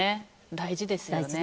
大事ですね。